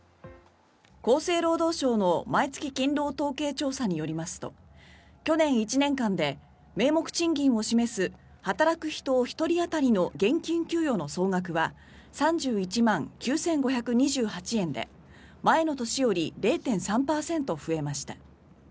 厚生労働省の毎月勤労統計調査によりますと去年１年間で名目賃金を示す働く人１人当たりの現金給与の総額は３１万９５２８円で前の年より０．３％増えました。